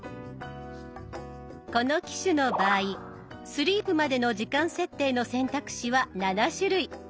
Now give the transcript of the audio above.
この機種の場合スリープまでの時間設定の選択肢は７種類。